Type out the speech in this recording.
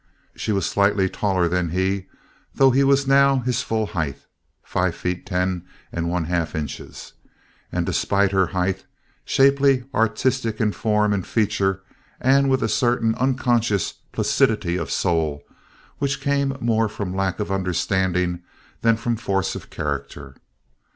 She was slightly taller than he—though he was now his full height (five feet ten and one half inches)—and, despite her height, shapely, artistic in form and feature, and with a certain unconscious placidity of soul, which came more from lack of understanding than from force of character.